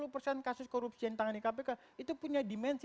lima puluh persen kasus korupsi yang ditangani kpk itu punya dimensi